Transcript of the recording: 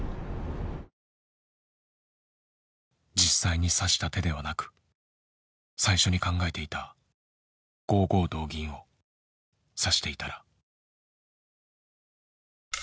実際に指した手ではなく最初に考えていた５五同銀を指していたら。